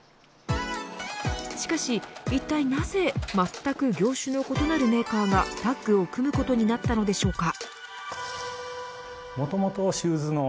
しかし、いったいなぜまったく業種の異なるメーカーがタッグを組むことになったのでしょうか。